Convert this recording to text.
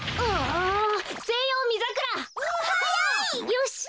よし！